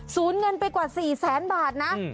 สูญเงินไปกว่า๔๐๐๐๐๐บาทนะ